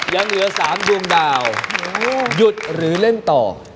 ยังเหลือ๓ดวงดาวหยุดหรือเล่นต่อ